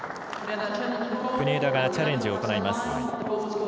国枝がチャレンジを行います。